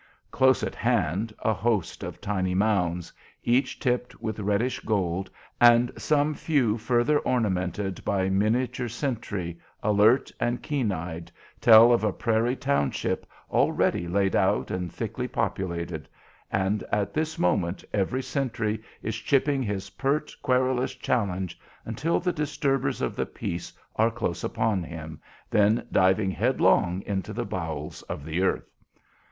Close at hand a host of tiny mounds, each tipped with reddish gold, and some few further ornamented by miniature sentry, alert and keen eyed, tell of a prairie township already laid out and thickly populated; and at this moment every sentry is chipping his pert, querulous challenge until the disturbers of the peace are close upon him, then diving headlong into the bowels of the earth.